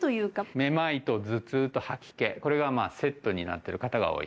めまいと頭痛と吐き気、これがセットになってる方が多い。